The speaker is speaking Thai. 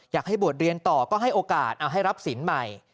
อยากให้บวชเรียนต่อก็ให้โอกาสเอาให้รับศิลป์ใหม่